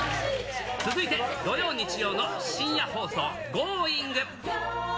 続いて、土曜、日曜の深夜放送、Ｇｏｉｎｇ！